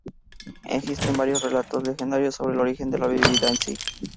Existen varios relatos legendarios sobre el origen de la bebida en sí.